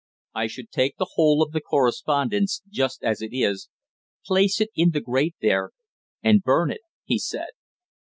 "I should take the whole of the correspondence, just as it is, place it in the grate there, and burn it," he said.